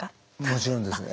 もちろんです。